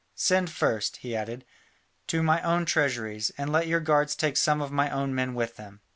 Send first," he added, "to my own treasuries, and let your guards take some of my own men with them."